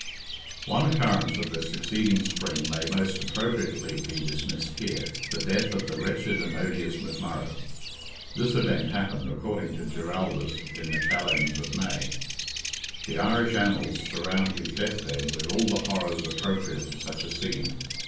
One occurrence of the succeeding spring may most appropriately be dismissed here—the death of the wretched and odious McMurrogh. This event happened, according to Giraldus, in the kalends of May. The Irish Annals surround his death bed with all the horrors appropriate to such a scene.